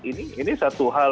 ini satu hal